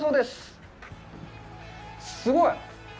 すごい！